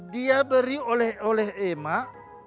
dia beri oleh oleh emak